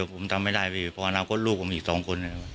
ผมทำไม่ได้พออนาภิกษ์ลูกผมอีกสองคน